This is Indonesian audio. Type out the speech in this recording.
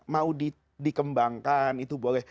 mau dikembangkan itu boleh